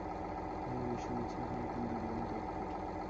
হ্যাঁ, আমি শুনেছি আপনি একজন দুর্দান্ত উকিল।